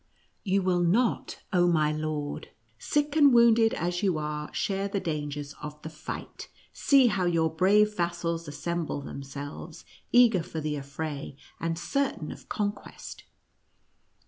u You will not, oh, my lord ! sick and wounded as you are, share the dangers of the fight. See how your brave vassals assemble* themselves, eager for the affray, and certain of conquest.